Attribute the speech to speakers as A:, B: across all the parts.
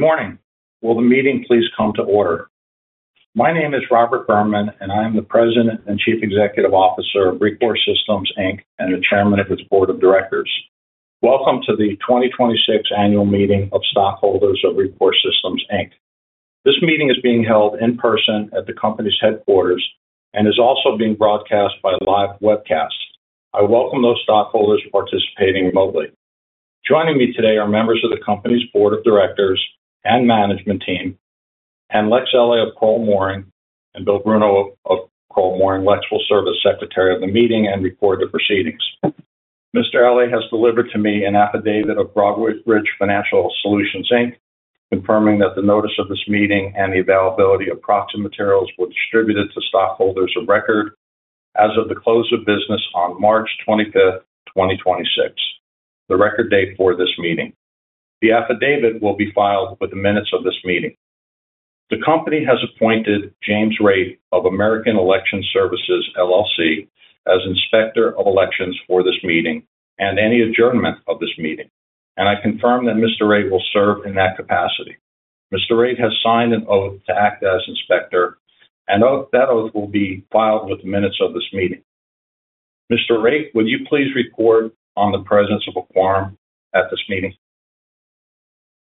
A: Good morning. Will the meeting please come to order? My name is Robert Berman, and I am the President and Chief Executive Officer of Rekor Systems, Inc and the Chairman of its board of directors. Welcome to the 2026 annual meeting of stockholders of Rekor Systems, Inc. This meeting is being held in person at the company's headquarters and is also being broadcast by live webcast. I welcome those stockholders participating remotely. Joining me today are members of the company's board of directors and management team, and Lex Elle of Crowell & Moring and Bill Bruno of Crowell & Moring. Lex will serve as Secretary of the meeting and record the proceedings. Mr. Elle has delivered to me an affidavit of Broadridge Financial Solutions, Inc, confirming that the notice of this meeting and the availability of proxy materials were distributed to stockholders of record as of the close of business on March 25th, 2026, the record date for this meeting. The affidavit will be filed with the minutes of this meeting. The company has appointed James Raitt of American Election Services, LLC as Inspector of Elections for this meeting and any adjournment of this meeting, and I confirm that Mr. Raitt will serve in that capacity. Mr. Raitt has signed an oath to act as inspector, that oath will be filed with the minutes of this meeting. Mr. Raitt, would you please report on the presence of a quorum at this meeting?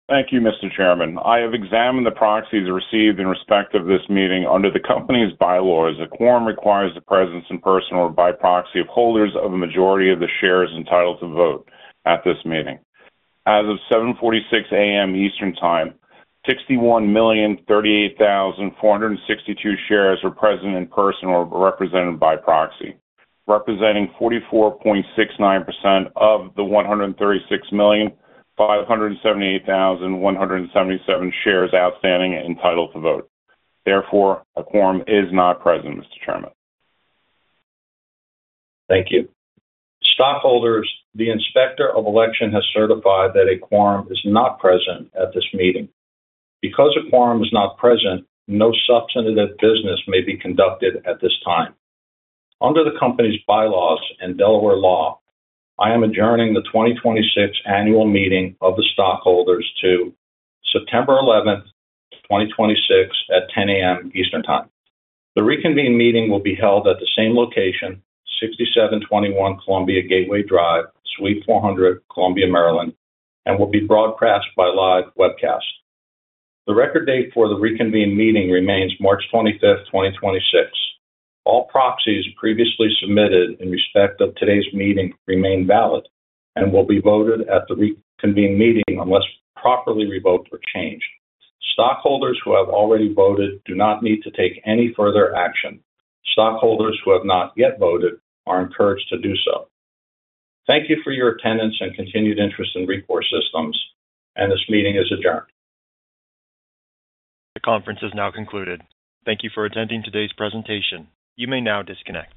B: Thank you, Mr. Chairman. I have examined the proxies received in respect of this meeting. Under the company's bylaws, a quorum requires the presence in person or by proxy of holders of a majority of the shares entitled to vote at this meeting. As of 7:46 A.M. Eastern Time, 61,038,462 shares were present in person or represented by proxy, representing 44.69% of the 136,578,177 shares outstanding and entitled to vote. A quorum is not present, Mr. Chairman.
A: Thank you. Stockholders, the Inspector of Elections has certified that a quorum is not present at this meeting. Because a quorum is not present, no substantive business may be conducted at this time. Under the company's bylaws and Delaware law, I am adjourning the 2026 annual meeting of the stockholders to September 11th, 2026 at 10:00 A.M. Eastern Time. The reconvened meeting will be held at the same location, 6721 Columbia Gateway Drive, Suite 400, Columbia, Maryland, and will be broadcast by live webcast. The record date for the reconvened meeting remains March 25th, 2026. All proxies previously submitted in respect of today's meeting remain valid and will be voted at the reconvened meeting unless properly revoked or changed. Stockholders who have already voted do not need to take any further action. Stockholders who have not yet voted are encouraged to do so. Thank you for your attendance and continued interest in Rekor Systems, and this meeting is adjourned.
C: The conference has now concluded. Thank you for attending today's presentation. You may now disconnect.